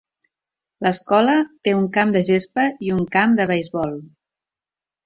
L'escola té un camp de gespa i un camp de beisbol.